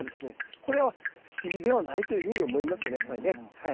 これは不思議ではないというふうに思いますねやっぱりねはい。